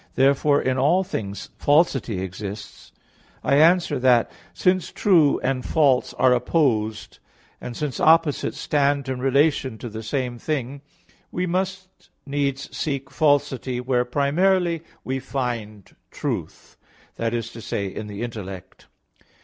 Therefore in all things falsity exists. I answer that, Since true and false are opposed, and since opposites stand in relation to the same thing, we must needs seek falsity, where primarily we find truth; that is to say, in the intellect.